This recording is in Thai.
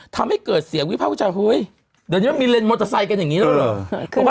ทำให้เกิดเสียงวิภาควิจารณเฮ้ยเดี๋ยวนี้มันมีเลนมอเตอร์ไซค์กันอย่างนี้แล้วเหรอ